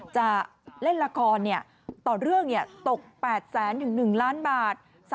จะเล่นละครต่อเรื่องตก๘แสนถึง๑ล้านบาท